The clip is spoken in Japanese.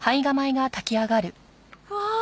うわ！